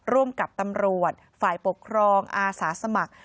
ร่วมกับตำรวจฝ่ายปกครองอาสาสมัคร